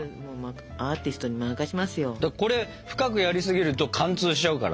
これ深くやりすぎると貫通しちゃうから。